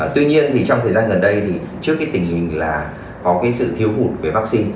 tuy nhiên thì trong thời gian gần đây thì trước cái tình hình là có cái sự thiếu hụt về vaccine